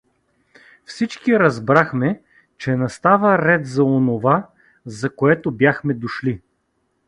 Всички разбрахме, че настава ред за онова, за което бяхме дошли.